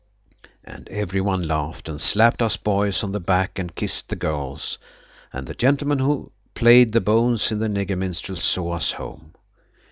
And every one laughed and slapped us boys on the back and kissed the girls, and the gentleman who played the bones in the nigger minstrels saw us home.